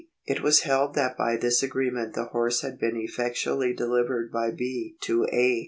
It was held that by this agreement the horse had been effectually delivered by B. to A.